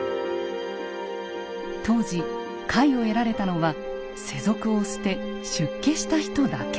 当時戒を得られたのは世俗を捨て出家した人だけ。